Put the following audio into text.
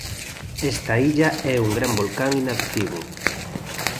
Esta illa é un gran volcán inactivo.